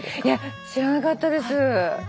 いや知らなかったです。